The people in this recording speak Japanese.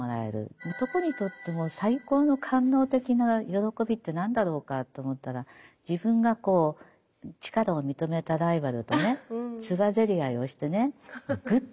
男にとって最高の官能的な喜びって何だろうかと思ったら自分が力を認めたライバルとねつばぜり合いをしてねぐっと踏み込んでね